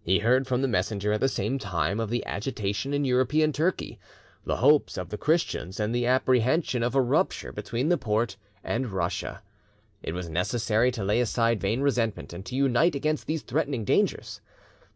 He heard from the messenger at the same time of the agitation in European Turkey, the hopes of the Christians, and the apprehension of a rupture between the Porte and Russia. It was necessary to lay aside vain resentment and to unite against these threatening dangers.